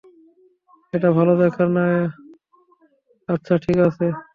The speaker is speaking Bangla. এটা ভালো দেখায় না আচ্ছা, ঠিক আছে।